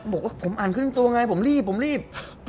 บอกว่าผมอ่านครึ่งตัวไงผมรีบผมรีบ